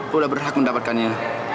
gue udah berhak mendapatkannya